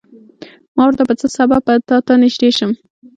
ما ورته په څه سبب به تاته نږدې شم.